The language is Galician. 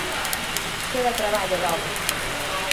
Queda traballo, logo.